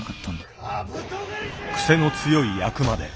クセの強い役まで。